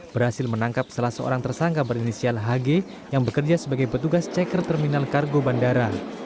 berhasil menangkap salah seorang tersangka berinisial hg yang bekerja sebagai petugas checker terminal kargo bandara